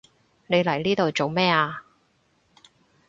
你嚟呢度做乜啊？